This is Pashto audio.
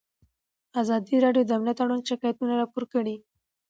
ازادي راډیو د امنیت اړوند شکایتونه راپور کړي.